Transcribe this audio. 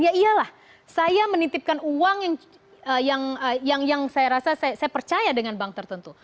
ya iyalah saya menitipkan uang yang saya rasa saya percaya dengan bank tertentu